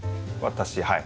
私はい。